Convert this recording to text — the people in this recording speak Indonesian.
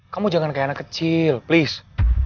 kamu jangan kayak anak kecil please